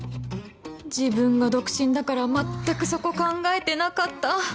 自分が独身だから全くそこ考えてなかった